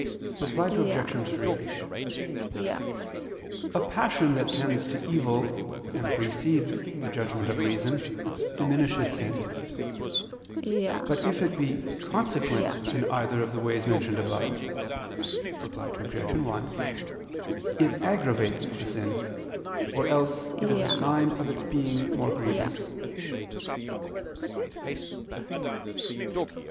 Reply Obj. 3: A passion that tends to evil, and precedes the judgment of reason, diminishes sin; but if it be consequent in either of the ways mentioned above (Reply Obj. 1), it aggravates the sin, or else it is a sign of its being more grievous.